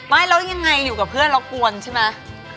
ไม่แล้วยังไงอยู่กับเพื่อนแล้วกวนใช่ไหม